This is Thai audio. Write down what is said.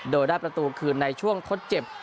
โดยได้ประตูคืนในช่วงทดเจ็บ